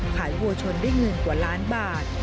ขายหัวชนได้เงินกว่าล้านบาท